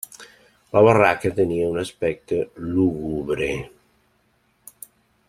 La barraca tenia un aspecte lúgubre.